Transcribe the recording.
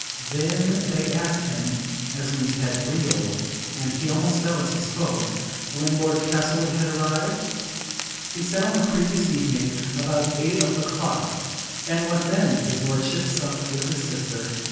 Then they asked him (Esmond's head reeled, and he almost fell as he spoke) when Lord Castlewood had arrived? He said on the previous evening, about eight of the clock. "And what then?" His lordship supped with his sister.